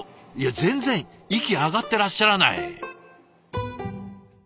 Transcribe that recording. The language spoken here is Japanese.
全然息上がってらっしゃらない。